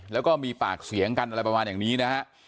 แล้วก็มีปากเสียงกันอะไรประมาณอย่างนี้นะฮะ